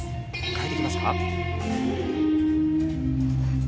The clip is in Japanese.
変えてきますか？